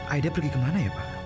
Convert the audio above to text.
aida pergi kemana ya pak